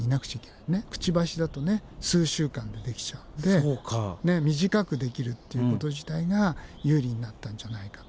くちばしだと数週間でできちゃうんで短くできるっていうこと自体が有利になったんじゃないかと。